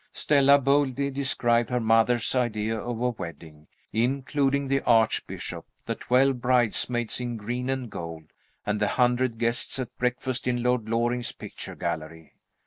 Stella boldly described her mother's idea of a wedding including the Archbishop, the twelve bridesmaids in green and gold, and the hundred guests at breakfast in Lord Loring's picture gallery.